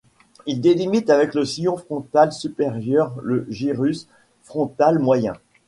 Il délimite avec le sillon frontal supérieur le gyrus frontal moyen.